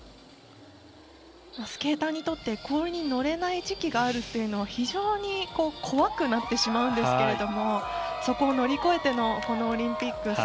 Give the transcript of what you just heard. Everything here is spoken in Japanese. スケーターにとって氷に乗れない時期があるというのは非常に怖くなってしまうんですがそこを乗り越えてのこのオリンピック。